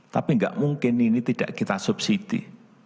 tapi nggak mungkin ini tidak kita subsidi